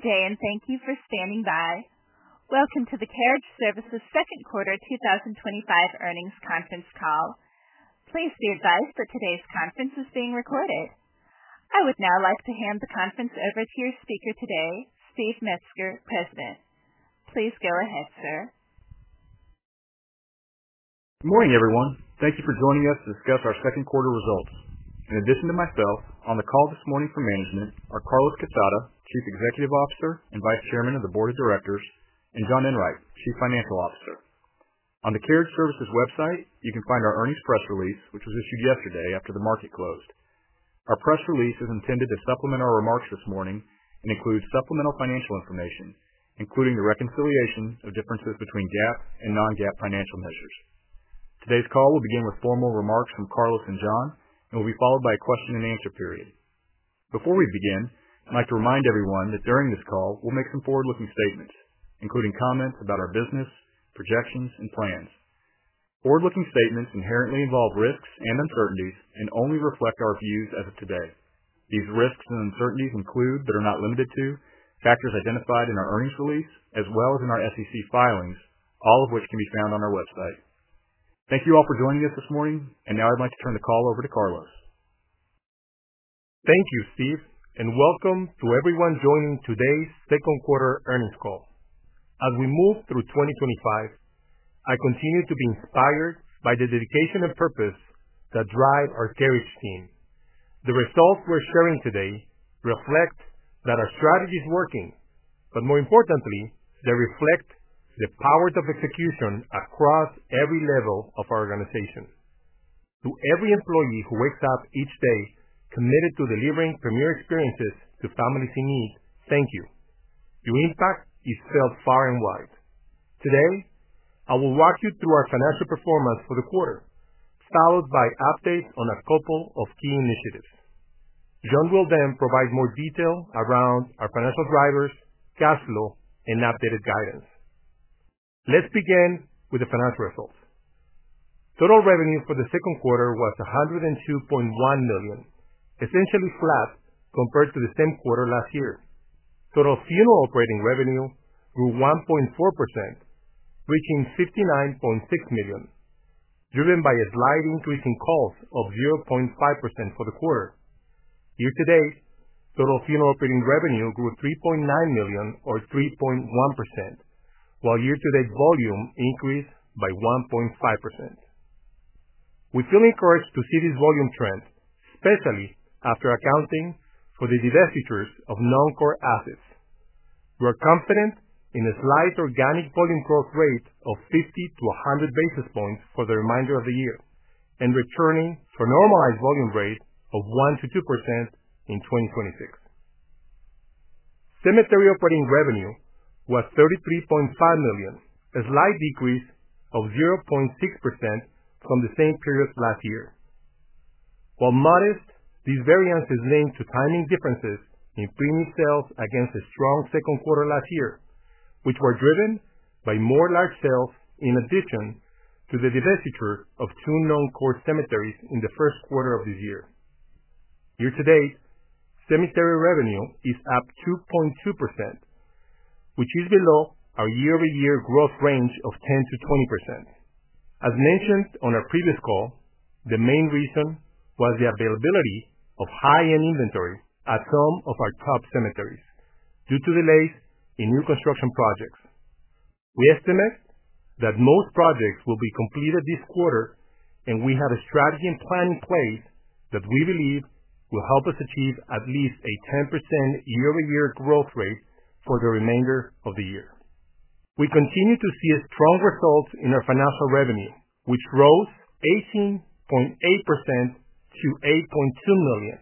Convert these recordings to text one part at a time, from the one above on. Okay, thank you for standing by. Welcome to the Carriage Services Second Quarter 2025 Earnings Conference Call. Please be advised that today's conference is being recorded. I would now like to hand the conference over to your speaker today, Steve Metzger, President. Please go ahead, sir. Morning, everyone. Thank you for joining us to discuss our second quarter result. In addition to myself, on the call this morning for management are Carlos Quezada, Chief Executive Officer and Vice Chairman of the Board of Directors, and John Enwright, Chief Financial Officer. On the Carriage Services website, you can find our earnings press release, which was issued yesterday after the market closed. Our press release is intended to supplement our remarks this morning and include supplemental financial information, including the reconciliation of differences between GAAP and non-GAAP financial measures. Today's call will begin with formal remarks from Carlos and John, and will be followed by a question and answer period. Before we begin, I'd like to remind everyone that during this call, we'll make some forward-looking statements, including comments about our business, projections, and plans. Forward-looking statements inherently involve risks and uncertainties and only reflect our views as of today. These risks and uncertainties include, but are not limited to, factors identified in our earnings release, as well as in our SEC filings, all of which can be found on our website. Thank you all for joining us this morning, and now I'd like to turn the call over to Carlos. Thank you, Steve, and welcome to everyone joining today's second quarter earnings call. As we move through 2025, I continue to be inspired by the dedication and purpose that drive our Carriage team. The results we're sharing today reflect that our strategy is working, but more importantly, they reflect the power of execution across every level of our organization. To every employee who wakes up each day committed to delivering premier experiences to families in need, thank you. Your impact is felt far and wide. Today, I will walk you through our financial performance for the quarter, followed by updates on a couple of key initiatives. John will then provide more detail around our financial drivers, cash flow, and updated guidance. Let's begin with the financial results. Total revenue for the second quarter was $102.1 million, essentially flat compared to the same quarter last year. Total funeral operating revenue grew 1.4%, reaching $69.6 million, driven by a slight increase in cost of 0.5% for the quarter. Year-to-date, total funeral operating revenue grew $3.9 million, or 3.1%, while year-to-date volume increased by 1.5%. We feel encouraged to see this volume trend, especially after accounting for the divestitures of non-core assets. We're confident in a slight organic volume growth rate of 50-100 basis points for the remainder of the year, and returning to a normalized volume rate of 1%-2% in 2026. Cemetery operating revenue was $33.5 million, a slight decrease of 0.6% from the same period last year. While modest, this variance is linked to timing differences in premium sales against a strong second quarter last year, which were driven by more large sales in addition to the divestiture of two non-core cemeteries in the first quarter of this year. Year-to-date, cemetery revenue is up 2.2%, which is below our year-over-year growth range of 10%-20%. As mentioned on our previous call, the main reason was the availability of high-end inventory at some of our top cemeteries due to delays in new construction projects. We estimate that most projects will be completed this quarter, and we have a strategy and plan in place that we believe will help us achieve at least a 10% year-over-year growth rate for the remainder of the year. We continue to see strong results in our financial revenue, which rose 18.8%-$8.2 million.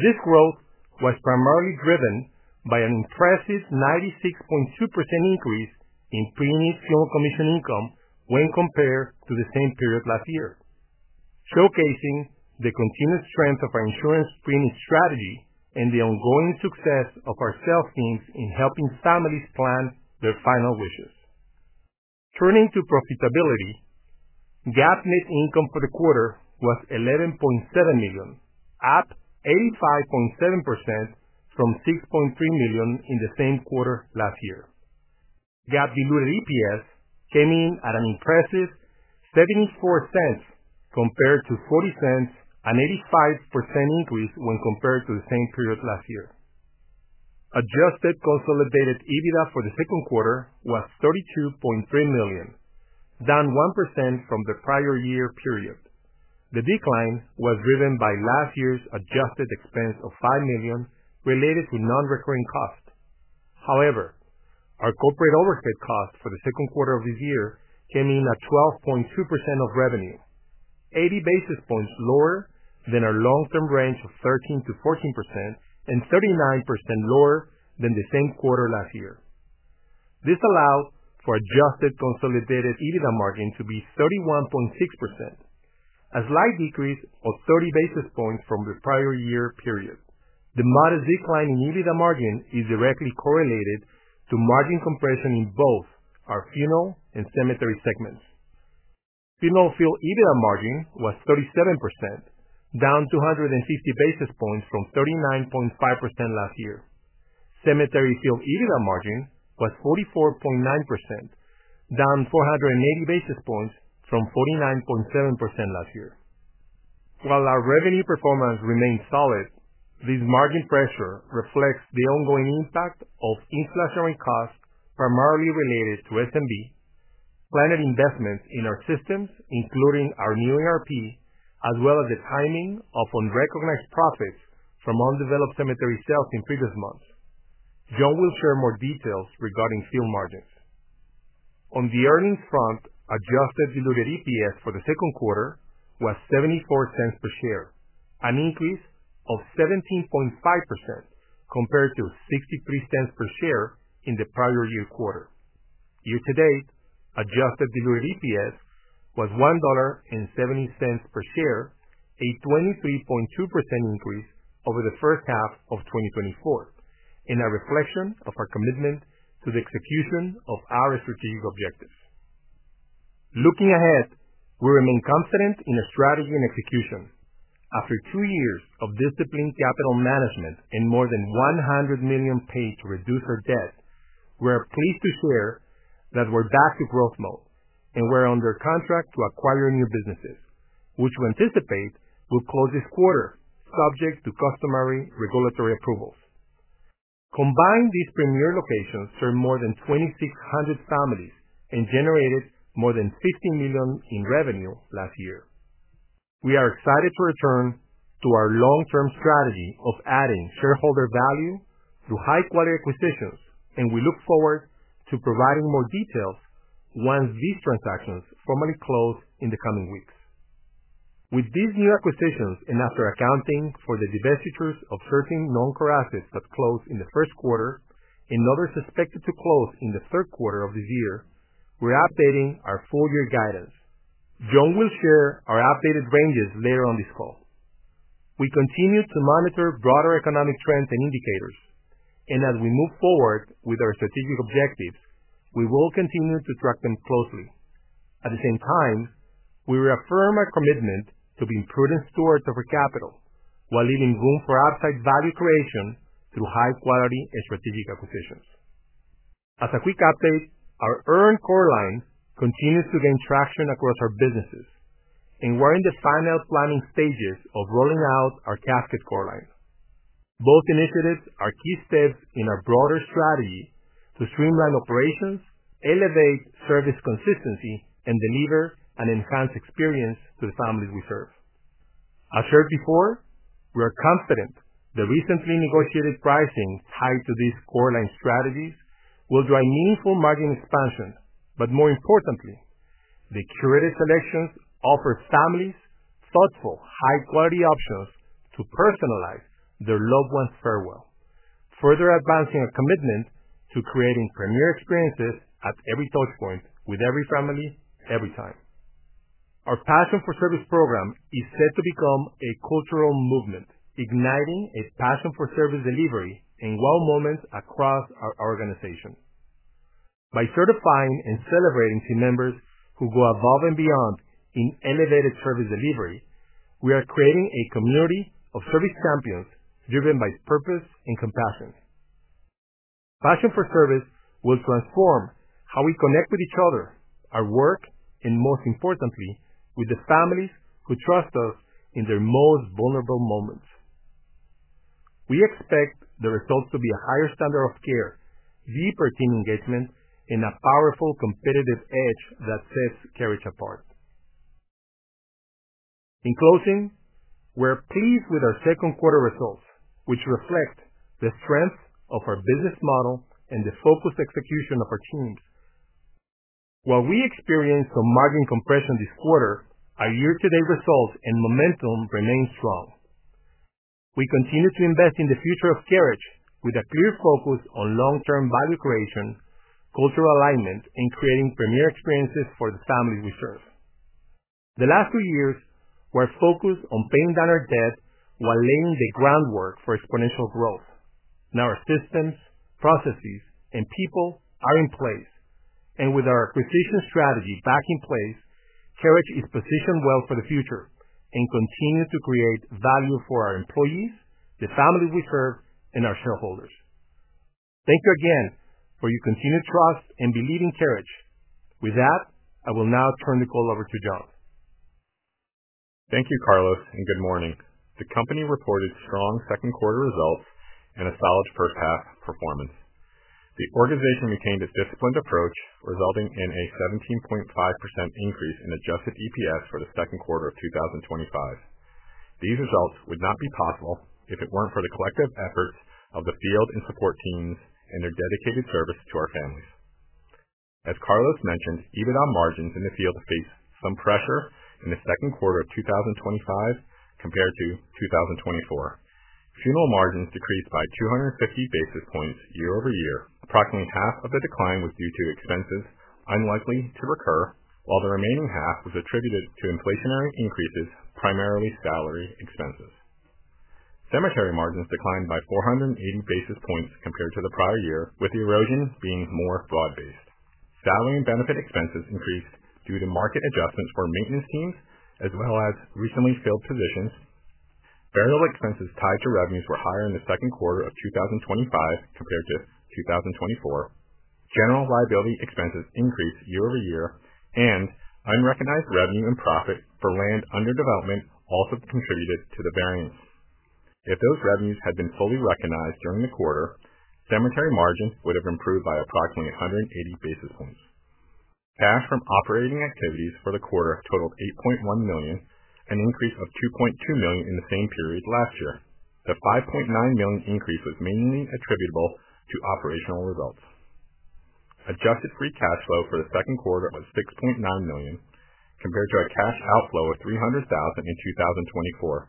This growth was primarily driven by an impressive 96.2% increase in premium funeral commission income when compared to the same period last year, showcasing the continued strength of our insurance premium strategy and the ongoing success of our sales teams in helping families plan their final wishes. Turning to profitability, GAAP net income for the quarter was $11.7 million, up 85.7% from $6.3 million in the same quarter last year. GAAP diluted EPS came in at an impressive $0.74 compared to $0.40, an 85% increase when compared to the same period last year. Adjusted consolidated EBITDA for the second quarter was $32.3 million, down 1% from the prior year period. The decline was driven by last year's adjusted expense of $5 million related to non-recurring costs. However, our corporate overhead costs for the second quarter of this year came in at 12.2% of revenue, 80 basis points lower than our long-term range of 13-14% and 39% lower than the same quarter last year. This allowed for adjusted consolidated EBITDA margin to be 31.6%, a slight decrease of 30 basis points from the prior year period. The modest decline in EBITDA margin is directly correlated to margin compression in both our funeral and cemetery segments. Funeral services EBITDA margin was 37%, down 250 basis points from 39.5% last year. Cemetery services EBITDA margin was 44.9%, down 480 basis points from 49.7% last year. While our revenue performance remains solid, this margin pressure reflects the ongoing impact of inflationary costs primarily related to SMB, planned investments in our systems, including our new ERP, as well as the timing of unrecognized profits from undeveloped cemetery sales in previous months. John will share more details regarding services margins. On the earnings front, adjusted diluted EPS for the second quarter was $0.74 per share, an increase of 17.5% compared to $0.63 per share in the prior year quarter. Year-to-date, adjusted diluted EPS was $1.70 per share, a 23.2% increase over the first half of 2024, and a reflection of our commitment to the execution of our strategic objectives. Looking ahead, we remain confident in our strategy and execution. After two years of disciplined capital management and more than $100 million paid to reduce our debt, we're pleased to share that we're back to growth mode, and we're under contract to acquire new businesses, which we anticipate will close this quarter subject to customary regulatory approvals. Combining these premier locations served more than 2,600 families and generated more than $50 million in revenue last year. We are excited to return to our long-term strategy of adding shareholder value through high-quality acquisitions, and we look forward to providing more details once these transactions formally close in the coming weeks. With these new acquisitions, and after accounting for the divestitures of 13 non-core assets that closed in the first quarter and others expected to close in the third quarter of this year, we're updating our full-year guidance. John will share our updated ranges later on this call. We continue to monitor broader economic trends and indicators, and as we move forward with our strategic objectives, we will continue to track them closely. At the same time, we reaffirm our commitment to being prudent stewards of our capital while leaving room for upside value creation through high-quality and strategic acquisitions. As a quick update, our urn and casket core lines continue to gain traction across our businesses, and we're in the final planning stages of rolling out our casket core lines. Both initiatives are key steps in our broader strategy to streamline operations, elevate service consistency, and deliver an enhanced experience to the families we serve. As shared before, we are confident the recently negotiated pricing tied to these core line strategies will drive meaningful margin expansion, but more importantly, the curated selections offer families thoughtful, high-quality options to personalize their loved ones' farewell, further advancing our commitment to creating premier experiences at every touchpoint with every family, every time. Our Passion for Service program is set to become a cultural movement, igniting a passion for service delivery and well moments across our organization. By certifying and celebrating team members who go above and beyond in innovative service delivery, we are creating a community of service champions driven by purpose and compassion. Passion for Service will transform how we connect with each other, our work, and most importantly, with the families who trust us in their most vulnerable moments. We expect the results to be a higher standard of care, deeper team engagement, and a powerful competitive edge that sets Carriage Services apart. In closing, we're pleased with our second quarter results, which reflect the strengths of our business model and the focused execution of our teams. While we experienced some margin compression this quarter, our year-to-date results and momentum remain strong. We continue to invest in the future of Carriage Services with a clear focus on long-term value creation, cultural alignment, and creating premier experiences for the families we serve. The last two years were focused on paying down our debt while laying the groundwork for exponential growth. Now our systems, processes, and people are in place, and with our acquisition strategy back in place, Carriage Services is positioned well for the future and continues to create value for our employees, the families we serve, and our shareholders. Thank you again for your continued trust and belief in Carriage Services. With that, I will now turn the call over to John. Thank you, Carlos, and good morning. The company reported strong second quarter results and a solid first half of performance. The organization retained a disciplined approach, resulting in a 17.5% increase in adjusted EPS for the second quarter of 2025. These results would not be possible if it weren't for the collective efforts of the field and support teams and their dedicated service to our families. As Carlos mentioned, EBITDA margins in the field have faced some pressure in the second quarter of 2025 compared to 2024. Funeral margins decreased by 250 basis points year-over-year. Approximately half of the decline was due to expenses unlikely to recur, while the remaining half was attributed to inflationary increases, primarily salary expenses. Cemetery margins declined by 480 basis points compared to the prior year, with the erosions being more fraud-based. Salary and benefit expenses increased due to market adjustments for maintenance teams, as well as recently filled positions. Farewell expenses tied to revenues were higher in the second quarter of 2025 compared to 2024. General liability expenses increased year-over-year, and unrecognized revenue and profit for land under development also contributed to the variance. If those revenues had been fully recognized during the quarter, cemetery margins would have improved by approximately 180 basis points. Cash from operating activities for the quarter totaled $8.1 million, an increase of $2.2 million in the same period last year. The $5.9 million increase was mainly attributable to operational results. Adjusted free cash flow for the second quarter was $6.9 million compared to a cash outflow of $0.3 million in 2024.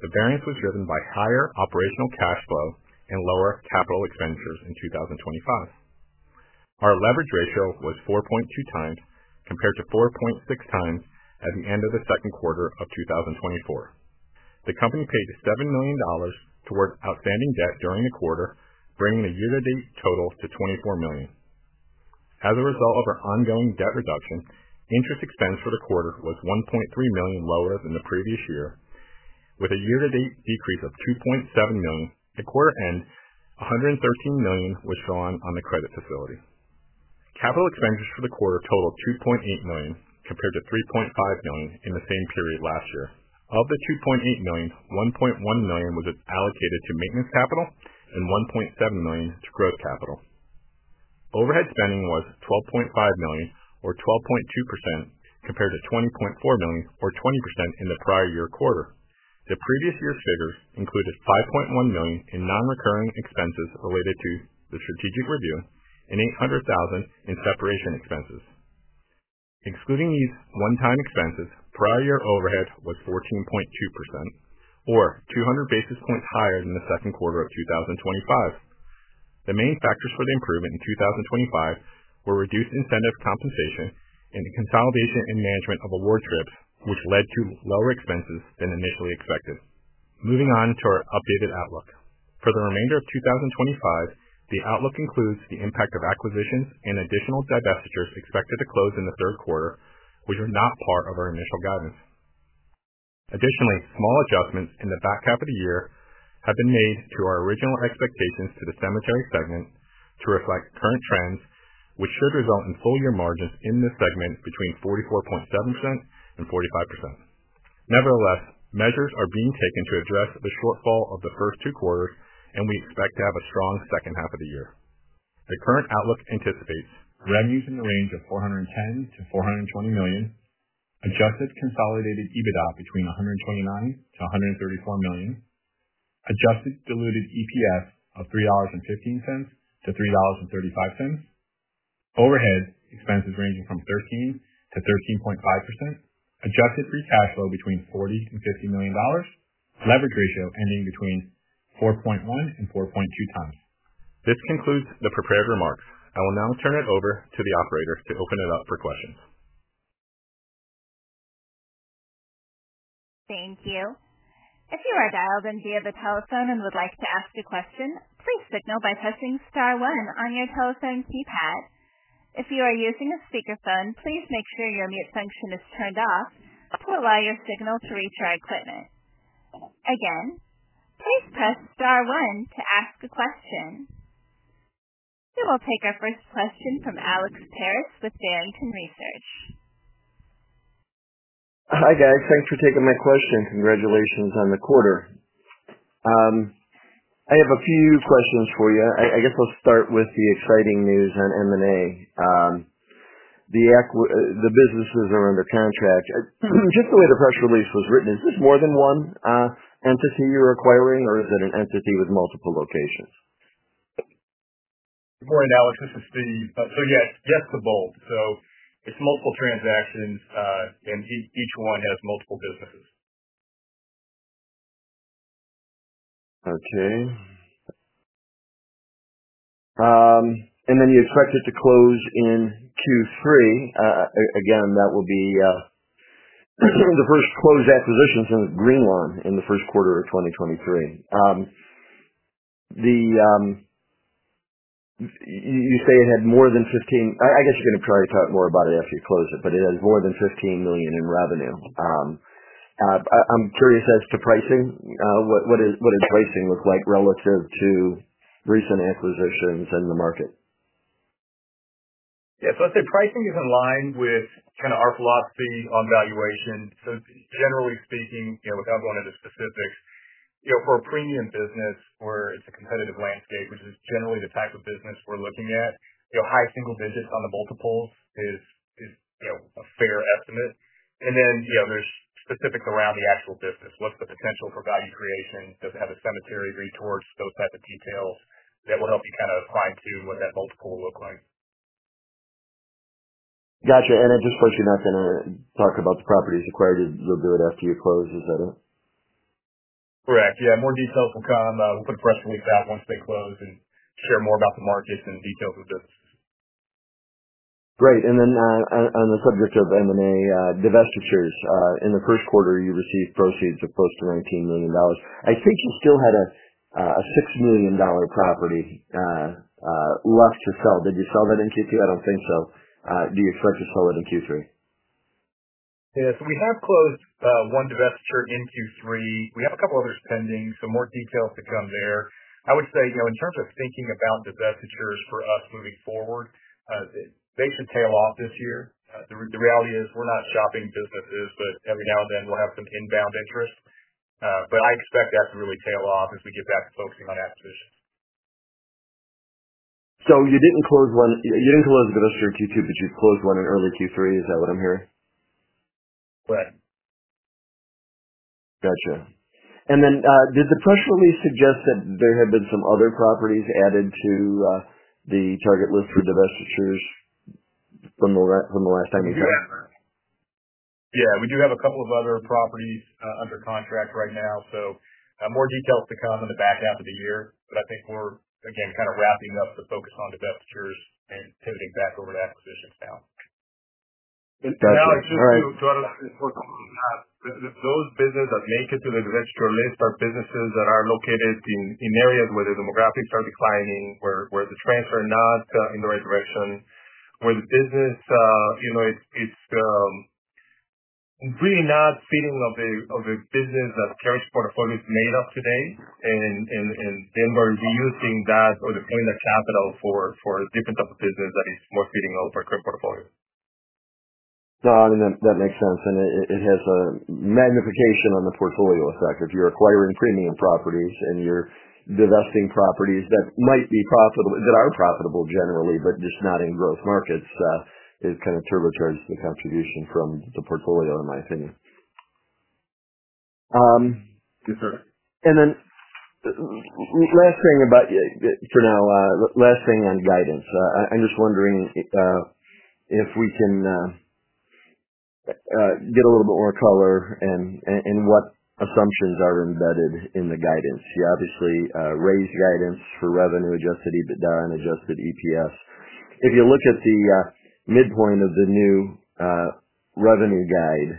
The variance was driven by higher operational cash flow and lower capital expenditures in 2025. Our leverage ratio was 4.2 times compared to 4.6 times at the end of the second quarter of 2024. The company paid $7 million toward outstanding debt during the quarter, bringing a year-to-date total to $24 million. As a result of our ongoing debt reduction, interest expense for the quarter was $1.3 million lower than the previous year, with a year-to-date decrease of $2.7 million. The quarter ended, $113 million was gone on the credit facility. Capital expenditures for the quarter totaled $2.8 million compared to $3.5 million in the same period last year. Of the $2.8 million, $1.1 million was allocated to maintenance capital and $1.7 million to growth capital. Overhead spending was $12.5 million, or 12.2%, compared to $20.4 million, or 20%, in the prior year quarter. The previous year's figures included $5.1 million in non-recurring expenses related to the strategic review and $0.8 million in separation expenses. Excluding these one-time expenses, prior year overhead was 14.2%, or 200 basis points higher than the second quarter of 2025. The main factors for the improvement in 2025 were reduced incentive compensation and the consolidation and management of awards reps, which led to lower expenses than initially expected. Moving on to our updated outlook. For the remainder of 2025, the outlook includes the impact of acquisitions and additional divestitures expected to close in the third quarter, which are not part of our initial guidance. Additionally, small adjustments in the back half of the year have been made to our original expectations to the cemetery segment to reflect current trends, which should result in full-year margins in this segment between 44.7% and 45%. Nevertheless, measures are being taken to address the shortfall of the first two quarters, and we expect to have a strong second half of the year. The current outlook anticipates revenues in the range of $410-$420 million, adjusted consolidated EBITDA between $129-$134 million, adjusted diluted EPS of $3.15-$3.35, overhead expenses ranging from 13%-13.5%, adjusted free cash flow between $40-$50 million, leverage ratio ending between 4.1 and 4.2 times. This concludes the prepared remarks. I will now turn it over to the operator to open it up for questions. Thank you. If you are dialed in via the telephone and would like to ask a question, please signal by pressing star one on your telephone keypad. If you are using a speakerphone, please make sure your mute function is turned off to allow your signal to reach our equipment. Again, please press star one to ask a question. We will take our first question from Alex Paris with Barrington Research. Hi guys, thanks for taking my question. Congratulations on the quarter. I have a few questions for you. I guess I'll start with the exciting news on M&A. The businesses are under contract. Just the way the press release was written, is this more than one entity you're acquiring, or is it an entity with multiple locations? Morning, Alex. This is Steve. Yes, just the bulk. It's multiple transactions, and each one has multiple businesses. Okay. You expect it to close in Q3. That will be considering the first closed acquisitions of GreenLawn in the first quarter of 2023. You say it had more than $15 million in revenue. I'm curious as to pricing. What did pricing look like relative to recent acquisitions in the market? Yeah, I'd say pricing is aligned with kind of our philosophy on valuation. Generally speaking, without going into specifics, for a premium business where it's a competitive landscape, which is generally the type of business we're looking at, high single digits on the multiple is a fair estimate. Then, there's specifics around the actual business. What's the potential for value creation? Does it have a cemetery resource? Those types of details will help you fine-tune what that multiple will look like. Gotcha. At this point, you're not going to talk about the properties acquired as you go after you close, is that it? Correct. Yeah, more details will come. We'll put a press release out once they close and share more about the markets and details of this. Great. On the subject of M&A, divestitures, in the first quarter, you received proceeds of close to $19 million. I think you still had a $6 million property left to sell. Did you sell that in Q2? I don't think so. Do you expect to sell it in Q3? Yeah, we have closed one divestiture in Q3. We have a couple others pending, so more details to come there. I would say, in terms of thinking about divestitures for us moving forward, they could tail off this year. The reality is we're not stopping businesses, but every now and then we'll have some inbound interest. I expect that to really tail off as we get back to focusing on activists. You didn't close a divestiture in Q2, but you closed one in early Q3, is that what I'm hearing? Correct. Gotcha. Did the press release suggest that there had been some other properties added to the target list for divestitures from the last time you said? Yeah, we do have a couple of other properties under contract right now. More details to come in the back half of the year, but I think we're, again, kind of wrapping up the focus on divestitures and pivoting back over to acquisitions now. Gotcha. All right. Those businesses, I think in particular, divestiture list are businesses that are located in areas where the demographics are declining, where the trends are not in the right direction, where the business, you know, it's really not feeding off of a business that Carriage Services' portfolio is made of today, and they're not really using that or the freelance capital for a different type of business that is more fitting off our current portfolio. No, I mean, that makes sense. It has a magnification on the portfolio effect. If you're acquiring premium properties and you're divesting properties that might be profitable, that are profitable generally, but just not in growth markets, it kind of turbocharges the contribution from the portfolio, in my opinion. Yes, sir. Last thing on guidance. I'm just wondering if we can get a little bit more color and what assumptions are embedded in the guidance. You obviously raised guidance for revenue, adjusted consolidated EBITDA, and adjusted diluted EPS. If you look at the midpoint of the new revenue guide,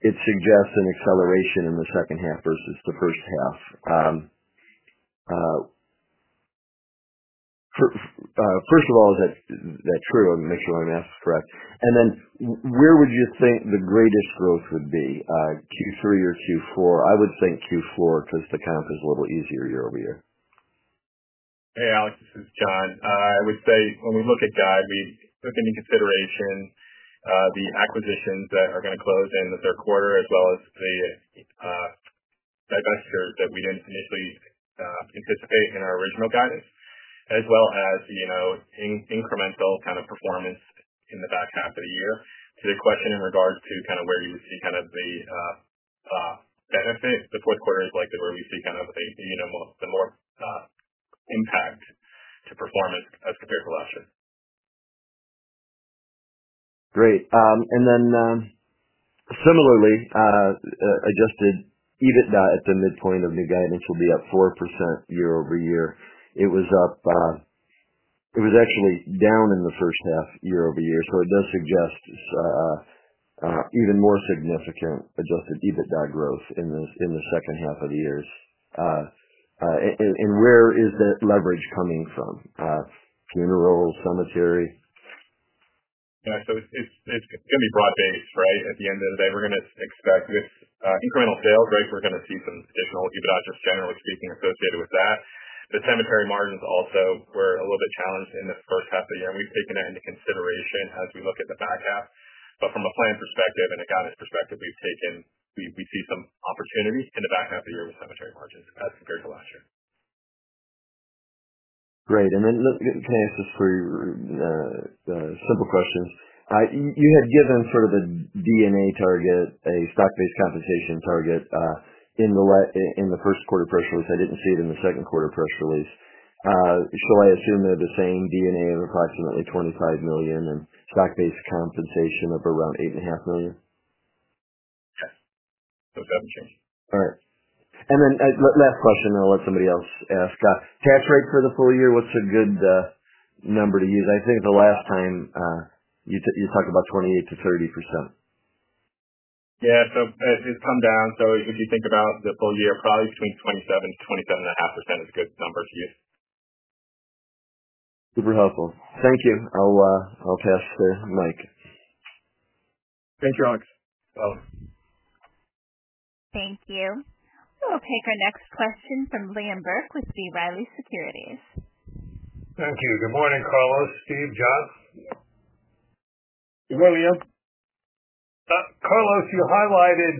it suggests an acceleration in the second half versus the first half. First of all, is that true? I want to make sure I'm correct. Where would you say the greatest growth would be, Q3 or Q4? I would think Q4 because the comp is a little easier year-over-year. Hey, Alex, this is John. I would say when we look at guidance, we took into consideration the acquisitions that are going to close in the third quarter, as well as the divestitures that we didn't initially anticipate in our original guidance, as well as incremental kind of performance in the back half of the year. To your question in regards to kind of where you see kind of the benefit, the fourth quarter is likely where we see the more impact to performance as compared to last year. Great. Similarly, adjusted EBITDA at the midpoint of the guidance will be at 4% year-over-year. It was up, it was actually down in the first half year-over-year. It does suggest even more significant adjusted EBITDA growth in the second half of the year. Where is that leverage coming from? Funeral, cemetery? Yeah, so it's going to be broad-based, right? At the end of the day, we're going to expect this incremental sales rate. We're going to see some additional EBITDA, generally speaking, associated with that. The cemetery margins also were a little bit challenged in this first half of the year. We've taken it into consideration as we look at the back half. From a plan perspective and a guidance perspective, we see some opportunities in the back half of the year with cemetery margins as compared to last year. Great. Let me ask a simple question. You have given sort of a DNA target, a stock-based capitalization target in the first quarter press release. I didn't see it in the second quarter press release. I assume they're the same DNA of approximately $25 million and stock-based compensation of around $8.5 million? Yep. All right. Last question, I'll let somebody else ask. Cash rate for the full year, what's a good number to use? I think the last time you talked about 28%-30%. Yeah, it's come down. If you think about the full year, probably between 27%-27.5% is a good number to use. Super helpful. Thank you. I'll pass the mic. Thank you, Alex. Bye-bye. Thank you. We'll take our next question from Liam Burke with B. Riley Securities. Thank you. Good morning, Carlos. Steve Metzger? Good morning, Liam. Carlos, you highlighted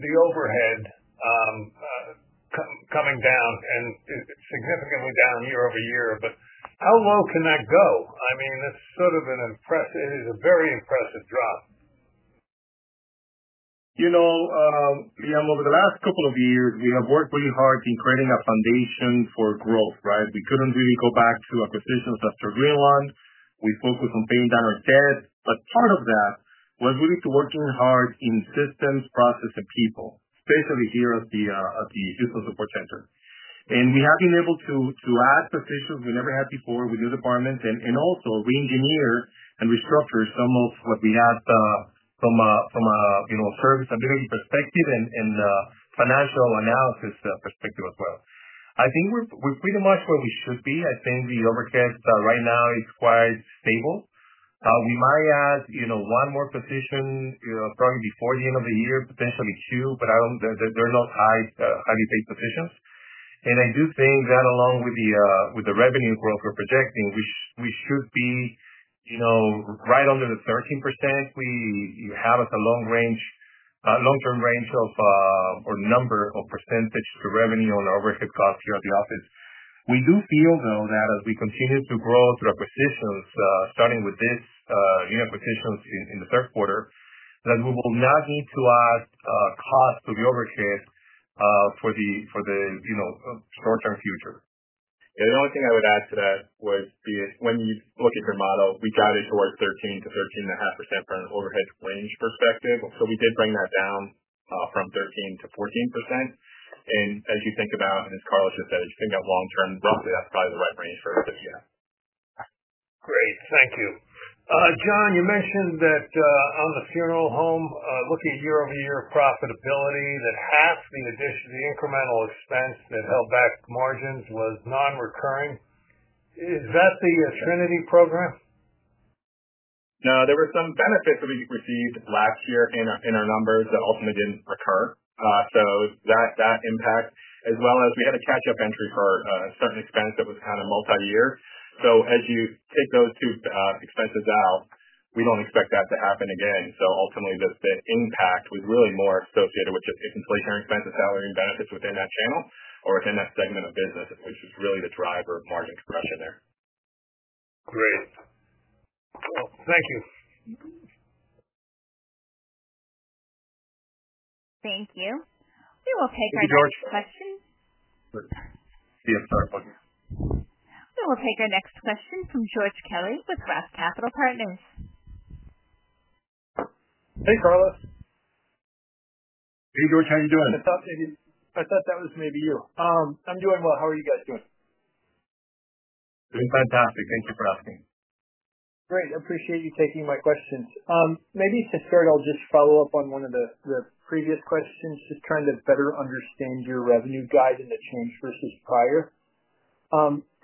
the overhead coming down and significantly down year-over-year, but how low can that go? I mean, that's sort of an impressive, it is a very impressive drop. You know, Liam, over the last couple of years, we have worked really hard to create enough foundation for growth, right? We couldn't really go back to acquisitions as to GreenLawn. We focused on paying down our debt, but part of that was really to work really hard in systems, process, and people, especially here at the System Support Center. We have been able to ask positions we never had before within the department and also re-engineer and restructure some of what we had from a serviceability perspective and financial analysis perspective as well. I think we're pretty much where we should be. I think the overhead right now is quite stable. We might add one more position probably before the end of the year, potentially two, but they're not highly paid positions. I do think that along with the revenue growth we're projecting, we should be right under the 13%. We have a long-term range or number of percentage to revenue on our overhead costs here at the office. We do feel, though, that as we continue to grow through acquisitions, starting with this new acquisition in the third quarter, we will not need to add cost to the overhead for the short-term future. The only thing I would add to that was when you look at your model, we got it to where 13 to 13.5% for an overhead range perspective. We did bring that down from 13-14%. As you think about, as Carlos has said, if you think about long-term, roughly that's probably the right range for us to be in. Great. Thank you. John, you mentioned that on the funeral home, looking at year-over-year profitability, that half the incremental expense that held back margins was non-recurring. Is that the Trinity program? There were some benefits that we received last year in our numbers that ultimately didn't recur. That impact, as well as we had a catch-up entry for a certain expense that was kind of multi-year. As you take those two expenses out, we don't expect that to happen again. Ultimately, the impact was really more associated with just inventory expenses, salaries, and benefits within that channel or within that segment of business, which is really the driver of margins for us in there. Great. Thank you. Thank you. We will take our next question. Sorry, Steve, and sorry, pardon me. We will take our next question from George Kelly with Roth Capital Partners. Hey, Carlos. Hey, George. How are you doing? I thought that was maybe you. I'm doing well. How are you guys doing? Doing fantastic. Thank you for asking. Great. I appreciate you taking my questions. Maybe to start, I'll just follow up on one of the previous questions, just trying to better understand your revenue guide and the change versus prior.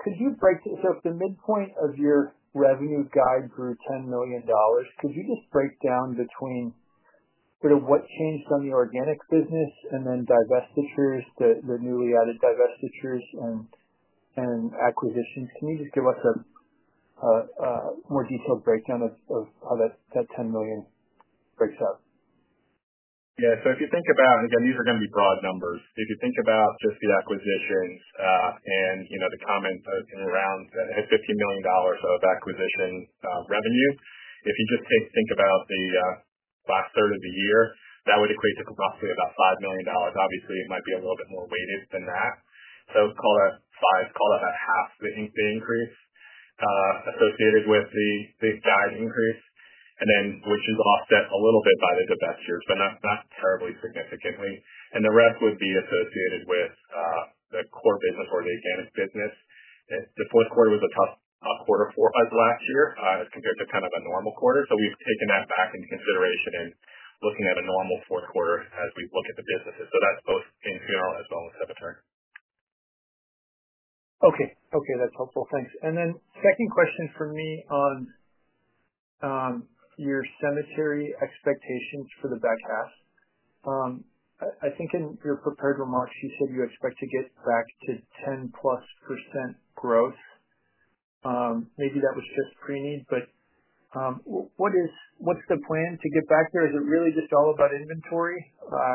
Could you break it? If the midpoint of your revenue guide grew $10 million, could you just break down between sort of what changed on the organic business and then divestitures, the newly added divestitures and acquisitions? Can you just give us a more detailed breakdown of how that $10 million breaks up? Yeah. If you think about, again, these are going to be broad numbers. If you think about just the acquisitions and the comments around the $15 million of acquisition revenue, if you just think about the last third of the year, that would equate to roughly about $5 million. Obviously, it might be a little bit more weighted than that. Call it a five, call it a half the increase associated with the guide increase. Fortunately, offset a little bit by the divestitures, but not terribly significantly. The rest would be associated with the core business or the advanced business. The fourth quarter was a tough quarter for us last year as compared to kind of a normal quarter. We've taken that back into consideration and looking at a normal fourth quarter as we look at the businesses. That's both in funeral as well as cemetery. Okay. That's helpful, thanks. Second question for me on your cemetery expectations for the back half. I think in your prepared remarks, you said you expect to give practice 10+% growth. Maybe that was just preneed, but what's the plan to get back there? Is it really just all about inventory,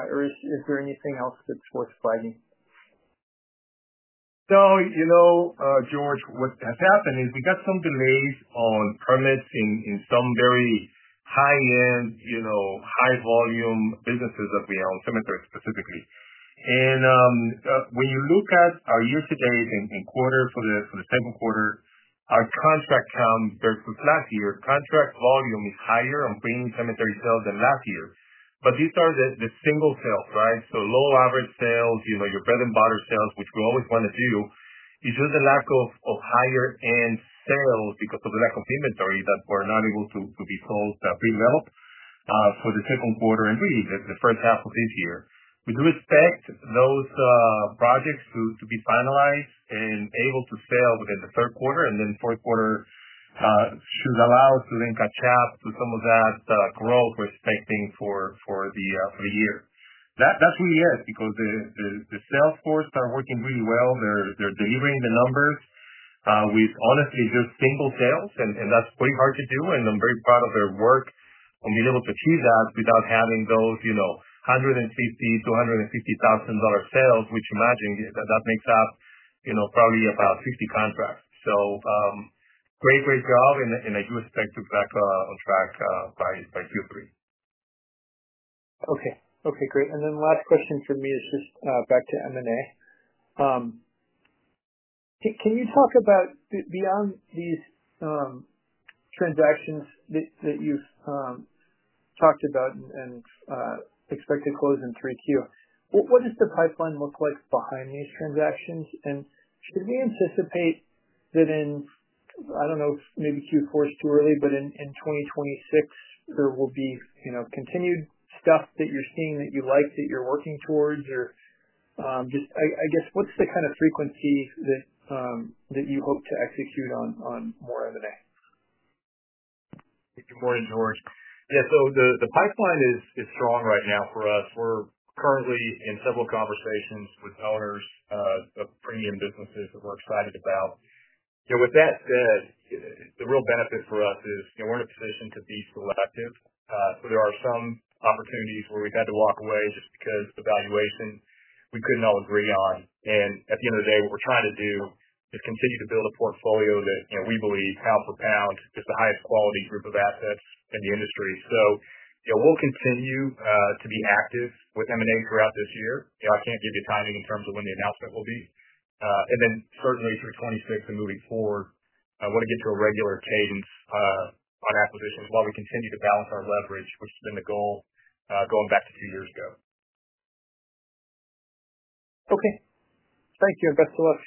or is there anything else that's worth flagging? You know, George, what has happened is we got some delays on permits in some very high-end, high-volume businesses that we own, cemeteries specifically. When you look at our year-to-date and quarter for the same quarter, our contract term versus last year, contract volume is higher on premium cemetery sales than last year. These are the single sales, right? Low-average sales, your bread and butter sales, which we always want to do. It's just a lack of higher-end sales because of the lack of inventory that we're not able to be sold that pre-built for the second quarter and really the first half of this year. We do expect those projects to be finalized and able to sell within the third quarter, and the fourth quarter should allow us to then catch up to some of that growth we're expecting for the year. That's where we are because the sales force are working really well. They're delivering the numbers. We've honestly just single sales, and that's pretty hard to do. I'm very proud of their work on being able to achieve that without having those $150,000-$160,000 sales, which, imagine that, that makes up probably about 60 contracts. Great, great job, and I do expect to be back on track by Q3. Okay. Great. Last question for me is just back to M&A. Can you talk about beyond these transactions that you've talked about and expect to close in 3Q? What does the pipeline look like behind these transactions? Can you anticipate that in, I don't know, maybe Q4 is too early, but in 2026, there will be, you know, continued stuff that you're seeing that you like that you're working towards? I guess, what's the kind of frequency that you hope to execute on more M&A? Thank you for your inquiry. Yeah, the pipeline is strong right now for us. We're currently in several conversations with owners of premium businesses that we're excited about. With that said, the real benefit for us is we're in a position to be selective. There are some opportunities where we've had to walk away just because the valuation we couldn't all agree on. At the end of the day, what we're trying to do is continue to build a portfolio that we believe pound for pound is the highest quality group of assets in the industry. We'll continue to be active with M&A throughout this year. I can't give you timing in terms of when the announcement will be. Certainly through 2026 and moving forward, we'll get to a regular cadence on acquisitions while we continue to balance our leverage, which has been the goal going back to two years ago. Okay. Thank you and best of luck.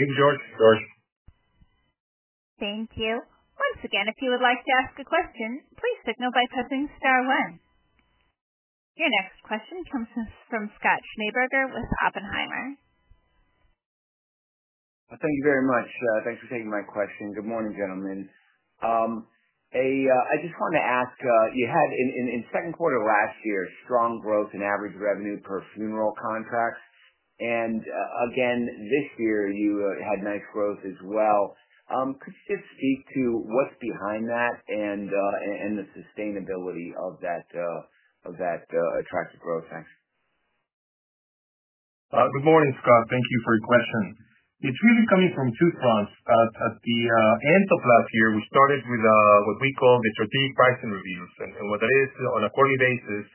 Thank you, George. George. Thank you. Once again, if you would like to ask a question, please signal by pressing star one. Your next question comes from Scott Schneeberger with Oppenheimer. Thank you very much. Thanks for taking my question. Good morning, gentlemen. I just wanted to ask, you had in the second quarter of last year, strong growth in average revenue per funeral contracts. This year, you had nice growth as well. Could you just speak to what's behind that and the sustainability of that attractive growth? Thanks. Good morning, Scott. Thank you for your question. It's really coming from two fronts. At the end of last year, we started with what we call the strategic pricing review process, and what it is on a quarterly basis,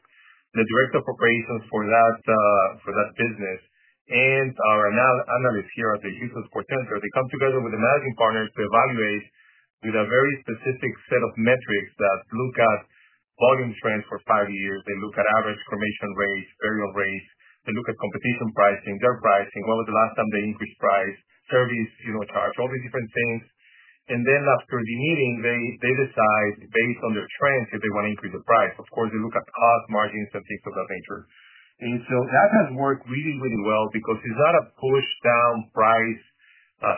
the Director of Operations for that business and our analysts here at the Eagles Court Center come together with the Managing Partners to evaluate with a very specific set of metrics that look at volume trends for five years. They look at average cremation rates, burial rates, competition pricing, their pricing, what was the last time they increased price, service charge, all these different things. After the meeting, they decide based on their trends if they want to increase the price. Of course, they look at cost, margins, and things of that nature. That has worked really, really well because it's not a push-down price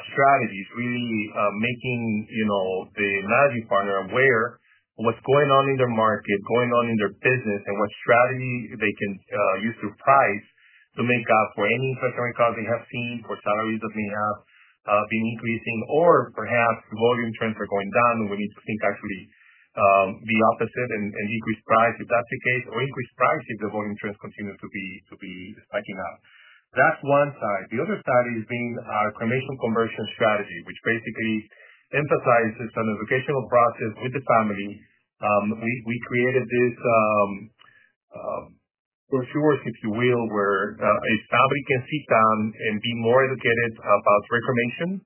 strategy. It's really making the Managing Partner aware of what's going on in their market, going on in their business, and what strategy they can use to price to make up for any inflationary costs they have seen for salaries that may have been increasing, or perhaps the volume trends are going down, and we need to think actually the opposite and increase price if that's the case, or increase price if the volume trends continue to be striking out. That's one side. The other side is being our cremation conversion strategy, which basically emphasizes an educational process with the family. We created this brochure, if you will, where a family can sit down and be more educated about cremation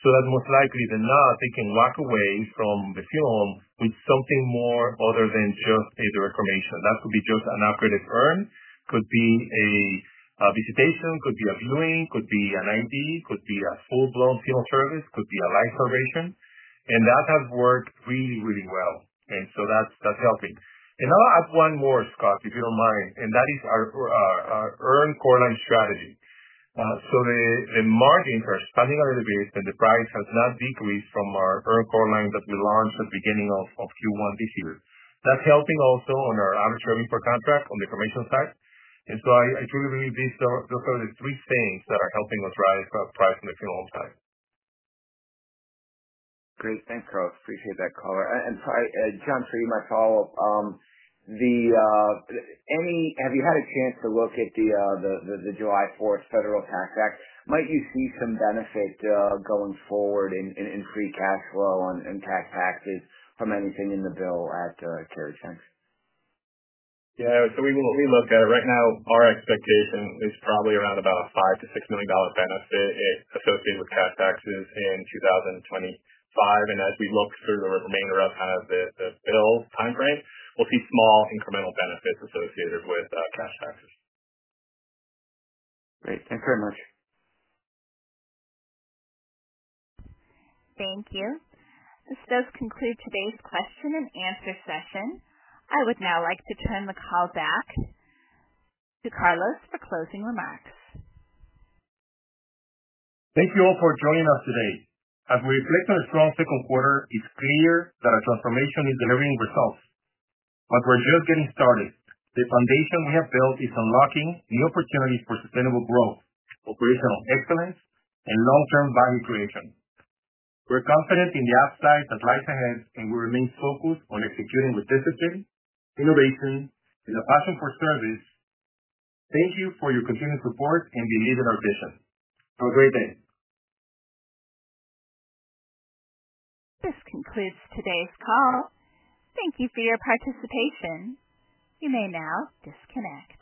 so that most likely than not, they can walk away from the funeral with something more other than just a cremation. That could be just an upgraded urn, could be a visitation, could be a viewing, could be an IMD, could be a full-blown funeral service, could be a life celebration. That has worked really, really well. That's helping. I'll add one more, Scott, if you don't mind. That is our urn and casket core lines strategy. The margin for expanding our repairs and the price has not decreased from our urn and casket core lines that we launched at the beginning of Q1 this year. That's helping also on our average revenue per contract on the cremation side. I truly believe these are the three things that are helping us raise price in the funeral side. Great. Thanks, Carlos. Appreciate that, caller. John, for you, my follow-up. Have you had a chance to look at the July 4th federal tax act? Might you see some benefit going forward in free cash flow and taxes from anything in the bill after Carriage? Yeah, we looked at it. Right now, our expectation is probably around about a $5 million-$6 million benefit associated with taxes in 2025. As we look through the remainder of the bill timeframe, we'll see small incremental benefits associated with taxes. Great, thanks very much. Thank you. This does conclude today's question and answer session. I would now like to turn the call back to Carlos for closing remarks. Thank you all for joining us today. As we reflect on our strong second quarter, it's clear that our transformation is delivering results. We're just getting started. The foundation we have built is unlocking new opportunities for sustainable growth, operational excellence, and long-term value creation. We're confident in the upside that lies ahead, and we remain focused on executing with discipline, innovation, and a passion for service. Thank you for your continued support and belief in our vision. Have a great day. This concludes today's call. Thank you for your participation. You may now disconnect.